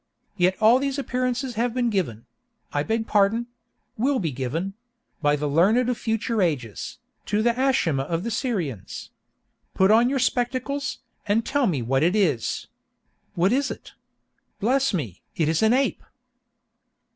Yet all these appearances have been given—I beg pardon—will be given—by the learned of future ages, to the Ashimah of the Syrians. Put on your spectacles, and tell me what it is. What is it? "Bless me! it is an ape!"